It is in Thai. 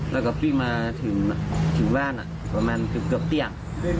แล้วก็วิ่งมาถึงบ้านประมาณเกือบเที่ยง